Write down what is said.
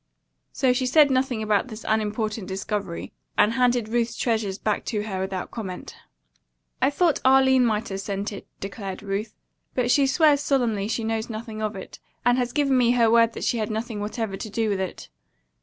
So she said nothing about this unimportant discovery, and handed Ruth's treasures back to her without comment. "I thought Arline might have sent it," declared Ruth, "but she swears solemnly she knows nothing of it, and has given me her word that she had nothing whatever to do with it."